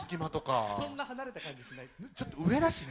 そんな離れた感じしない。